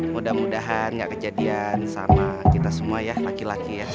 mudah mudahan gak kejadian sama kita semua ya laki laki ya